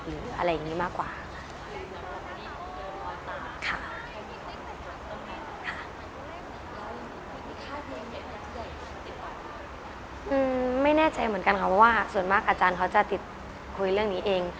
ไม่แน่ใจเหมือนกันค่ะเพราะว่าส่วนมากอาจารย์เขาจะติดคุยเรื่องนี้เอง